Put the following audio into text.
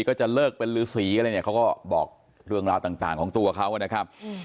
ก็จะเลิกเป็นฤษีอะไรเนี่ยเขาก็บอกเรื่องราวต่างของตัวเขานะครับ